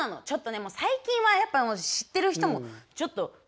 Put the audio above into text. ちょっとねもう最近はやっぱ知ってる人もちょっと。